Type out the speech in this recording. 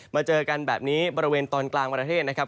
เจอกันแบบนี้บริเวณตอนกลางประเทศนะครับ